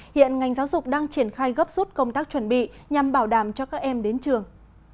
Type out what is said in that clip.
hiện ngành giáo dục đang triển khai gấp rút công tác chuẩn bị nhằm bảo đảm cho các em đến trường